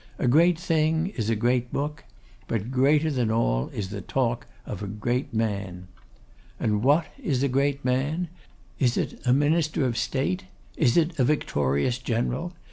A great thing is a great book; but greater than all is the talk of a great man. And what is a great man? Is it a Minister of State? Is it a victorious General?